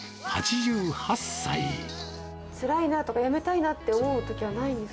つらいなとか、やめたいなとか思うときはないんですか？